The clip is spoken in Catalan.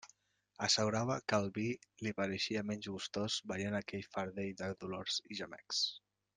Assegurava que el vi li pareixia menys gustós veient aquell fardell de dolors i gemecs.